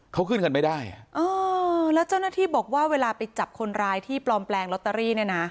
เขาขึ้นกันไม่ได้อ่ะเออแล้วเจ้าหน้าที่บอกว่าเวลาไปจับคนร้ายที่ปลอมแปลงลอตเตอรี่เนี่ยนะ